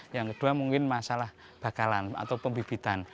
yang kedua mungkin masalah bakalan atau pembibitan